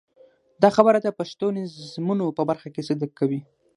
دا خبره د پښتو نظمونو په برخه کې صدق کوي.